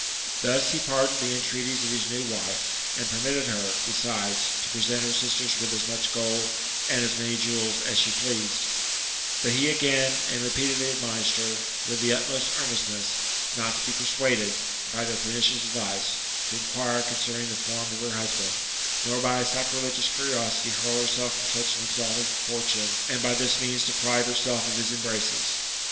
Thus he pardoned the entreaties 74 TRB MCTAlfOltPaoSJS, Oft of his new wifei and permitted her, besides, to preient her sislen with as much gold and as many jewels as she pleased ; but he q^ain and repeatedly admonished her, with the utmost earnestness, nAt to be persuaded, bj their pemtdous advice, to inquire concerning the form of her husband, n<Nr by a sacrilegi ous curiosity hurl herself from such an exalted fortune, and by this means deprive herself of his embraces.